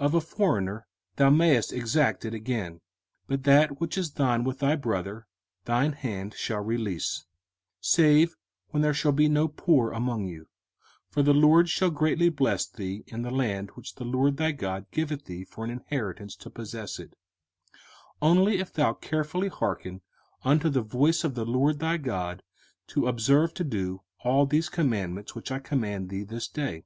05:015:003 Of a foreigner thou mayest exact it again: but that which is thine with thy brother thine hand shall release; 05:015:004 Save when there shall be no poor among you; for the LORD shall greatly bless thee in the land which the LORD thy God giveth thee for an inheritance to possess it: 05:015:005 Only if thou carefully hearken unto the voice of the LORD thy God, to observe to do all these commandments which I command thee this day.